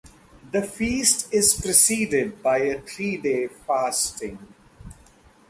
The feast is preceded by a three-day fasting.